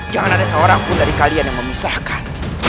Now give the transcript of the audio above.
jangan ada seorang pun dari kalian yang memisahkan